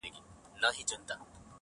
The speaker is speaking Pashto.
هغه د زړونو د دنـيـا لــه درده ولـوېږي.